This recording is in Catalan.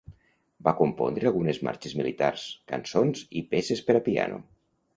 Va compondre algunes marxes militars, cançons i peces per a piano.